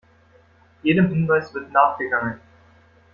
Jedem Hinweis wird nachgegangen.